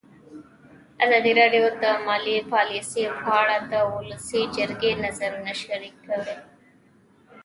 ازادي راډیو د مالي پالیسي په اړه د ولسي جرګې نظرونه شریک کړي.